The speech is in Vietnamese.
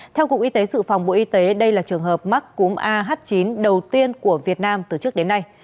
theo cục y tế sự phòng bộ y tế đây là trường hợp mắc cúm ah chín đầu tiên của việt nam từ trước đến nay